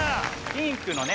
ピンクのね